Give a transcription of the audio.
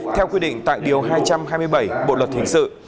theo quy định tại điều hai trăm hai mươi bảy bộ luật hình sự